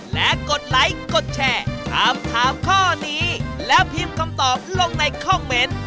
และกดไลค์กดแชร์ถามถามข้อนี้แล้วพิมพ์คำตอบลงในคอมเมนต์